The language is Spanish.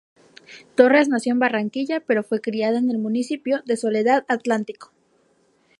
Torres nació en Barranquilla, pero fue criada en el municipio de Soledad, Atlántico.